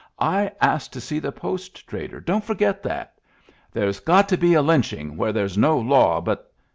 I asked to see the post trader. Don't forget that There's got to be lynching where there's no law, but—"